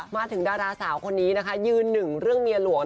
มาถึงดาราสาวคนนี้นะคะยืนหนึ่งเรื่องเมียหลวง